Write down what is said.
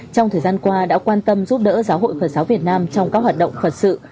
trong thời gian qua đã quan tâm giúp đỡ giáo hội phật giáo việt nam trong các hoạt động phật sự